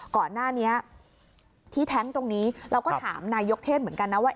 ก่อนหน้านี้ที่แท้งตรงนี้เราก็ถามนายกเทศเหมือนกันนะว่า